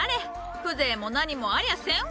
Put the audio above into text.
風情も何もありゃせんわ。